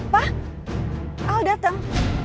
pak al datang